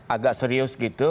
agak serius gitu